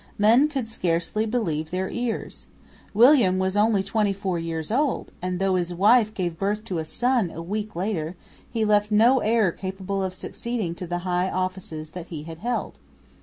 Men could scarcely believe their ears. William was only 24 years old; and, though his wife gave birth to a son a week later, he left no heir capable of succeeding to the high offices that he had held.